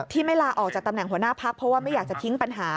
ไม่ลาออกจากตำแหน่งหัวหน้าพักเพราะว่าไม่อยากจะทิ้งปัญหา